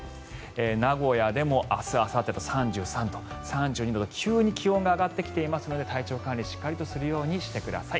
名古屋でも明日あさってと３３度、３２度と急に気温が上がってきているので体調管理しっかりとしてください。